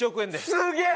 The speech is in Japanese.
すげえ！